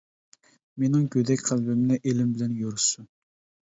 مېنىڭ گۆدەك قەلبىمنى ئىلىم بىلەن يورۇتسۇن.